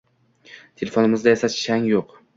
Telefonimizda esa chang yo‘q.